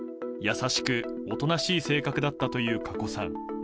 優しく、おとなしい性格だったという加古さん。